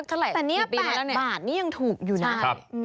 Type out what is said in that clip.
แต่นี่๘บาทนี่ยังถูกอยู่นะ